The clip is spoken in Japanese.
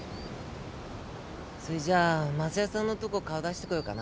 それじゃ昌代さんのとこ顔出してこようかな。